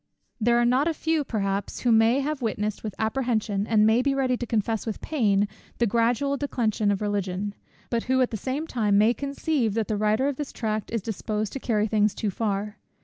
There are not a few, perhaps, who may have witnessed with apprehension, and may be ready to confess with pain, the gradual declension of Religion; but who at the same time may conceive that the writer of this tract is disposed to carry things too far.